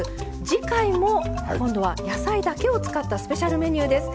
次回も今度は野菜だけを使ったスペシャルメニューです。